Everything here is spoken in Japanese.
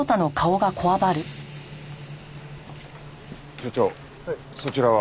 所長そちらは？